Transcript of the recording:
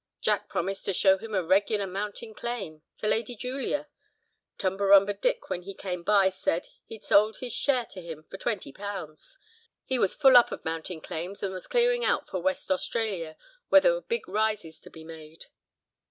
Jack promised to show him a regular mountain claim—the 'Lady Julia.' Tumberumba Dick when he came by, said 'he'd sold his share to him for £20. He was full up of mountain claims, was clearing out for West Australia, where there were big rises to be made.